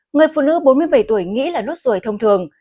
người phụ nữ bốn mươi bảy tuổi nghĩ là nốt ruồi thông thường